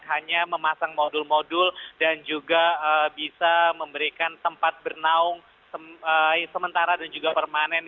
hanya memasang modul modul dan juga bisa memberikan tempat bernaung sementara dan juga permanen